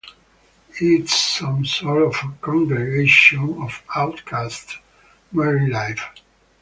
It's some sort of congregation of outcast marine life.